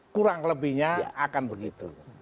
kurang lebihnya akan begitu